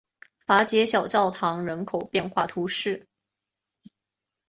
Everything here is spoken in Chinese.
戈捷小教堂人口变化图示